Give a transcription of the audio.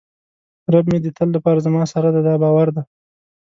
رب مې د تل لپاره زما سره دی دا باور دی.